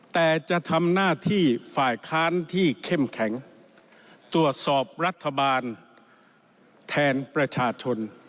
แต่จะทำหน้าที่ฝ่ายค้านที่เข้มแข็งตรวจสอบรัฐบาลแทนประชาชน